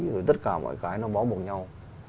rồi tất cả mọi cái nó bó bổ nhau